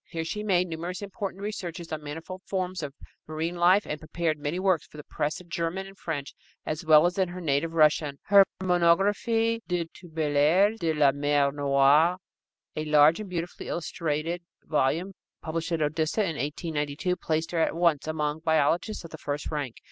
Here she made numerous important researches on manifold forms of marine life and prepared many works for the press in German and French, as well as in her native Russian. Her Monographie de Turbellaries de la Mer Noire, a large and beautifully illustrated volume published at Odessa in 1892, placed her at once among biologists of the first rank.